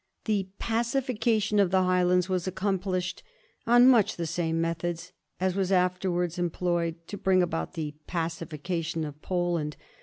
The pacification of the Highlands was accomplished on much the same methods as were afterwards employed to bring about the pacification of Poland.